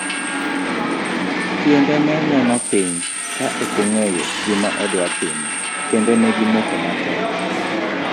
Tiende ne nyono piny ka okong'eyo gima odwa timo, kendo negi moko matek.